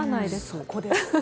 そこです。